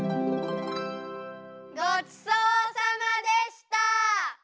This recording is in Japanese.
ごちそうさまでした！